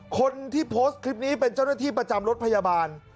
คนที่โพสต์คลิปนี้เป็นเจ้าหน้าที่ประจำรถพยาบาล